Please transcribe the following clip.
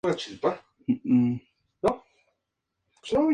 En el torneo final volvió a marcar ante España.